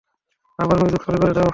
আবার মিউজিক চালু করে দাও।